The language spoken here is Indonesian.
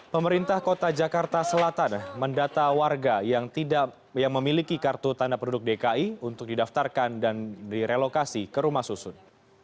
pemerintah kota jakarta selatan mendata warga yang memiliki kartu tanda penduduk dki untuk didaftarkan dan direlokasi ke rumah susun